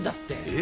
え？